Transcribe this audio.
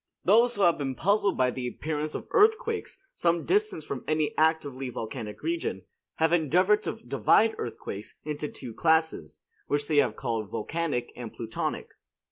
Those who have been puzzled by the appearance of earthquakes some distance from any actively volcanic region, have endeavored to divide earthquakes into two classes, which they have called volcanic and plutonic.